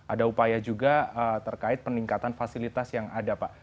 ada upaya juga terkait peningkatan fasilitas yang ada pak